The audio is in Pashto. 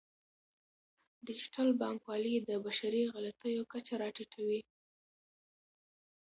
ډیجیټل بانکوالي د بشري غلطیو کچه راټیټوي.